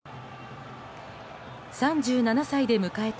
３７歳で迎えた